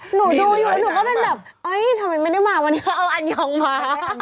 หนูดูอยู่แล้วหนูก็เป็นแบบเอ้ยทำไมไม่ได้มาวันนี้เขาเอาอันยองมา